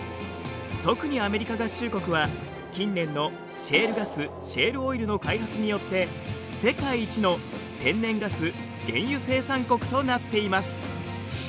特にアメリカ合衆国は近年のシェールガスシェールオイルの開発によって世界一の天然ガス・原油生産国となっています。